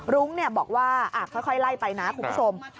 รุ้งบอกว่าค่อยไล่ไปนะคุณผู้ชม